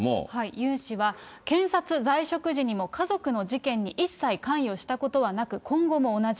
ユン氏は検察在職時にも家族の事件に一切関与したことはなく、今後も同じ。